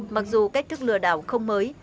mặc dù cách thức lừa đảo không mới